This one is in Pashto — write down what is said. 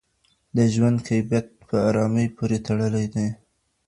د ژوند کیفیت په ارامۍ پورې تړلی دی.